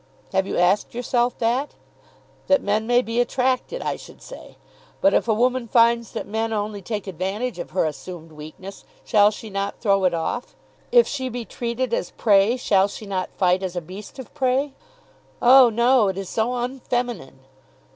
Have you asked yourself that? That men may be attracted, I should say. But if a woman finds that men only take advantage of her assumed weakness, shall she not throw it off? If she be treated as prey, shall she not fight as a beast of prey? Oh, no; it is so unfeminine!